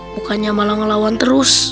bukannya malah ngelawan terus